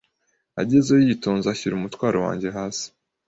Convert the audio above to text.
Agezeyo yitonze ashyira umutwaro wanjye hasi